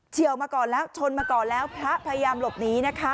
ี่ยวมาก่อนแล้วชนมาก่อนแล้วพระพยายามหลบหนีนะคะ